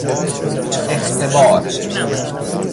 اختبار